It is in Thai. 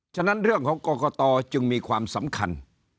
ฉะนั้นเรื่องของกรกตจึงมีความสำคัญ